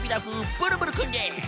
ブルブルくんです！